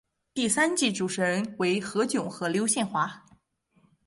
第三季主持人为何炅和刘宪华。